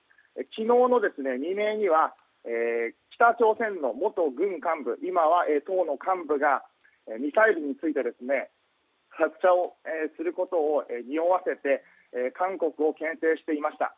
昨日の未明には北朝鮮の元軍幹部今は党の幹部がミサイルについて発射をすることをにおわせて韓国をけん制していました。